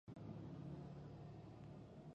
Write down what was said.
د زهرا د پلار نوم توریالی دی